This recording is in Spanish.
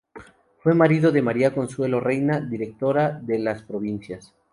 Fue marido de María Consuelo Reyna, directora de "Las Provincias".